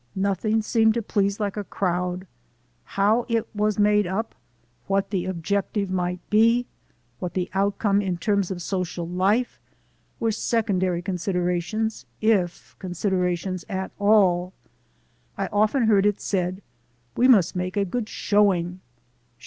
Nothing seemed to please like a crowd. How it was made up, what the objective might be, what the outcome in terms of social life, were sec ondary considerations, if considerations at all. I often heard it said: "We must make a good show ing."